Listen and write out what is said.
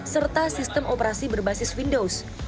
serta sistem operasi berbasis windows